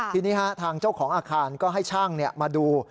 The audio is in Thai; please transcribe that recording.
ทีนี้ทางเจ้าของอาคารก็ให้ช่างมาดู